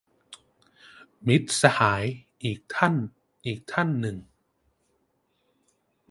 มิตรสหายอีกท่านอีกท่านหนึ่ง